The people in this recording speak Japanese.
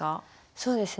そうですね。